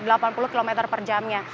delapan puluh km per jamnya